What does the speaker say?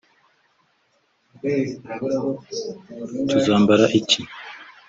Tuzambara iki